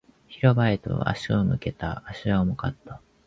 広場へと足を向けた。足は重かった。